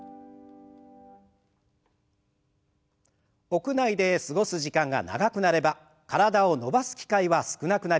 屋内で過ごす時間が長くなれば体を伸ばす機会は少なくなります。